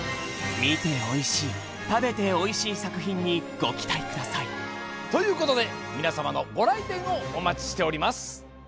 みておいしい食べておいしいさくひんにごきたいくださいということでみなさまのごらいてんをおまちしております。